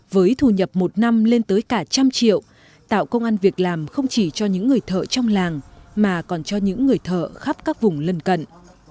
với thu nhập một năm lên tới cả trăm triệu tạo công an việc làm không chỉ cho những người thợ trong làng mà còn cho những người thợ khắp các vùng lân cận